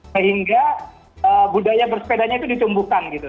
sehingga budaya bersepedanya itu ditumbuhkan gitu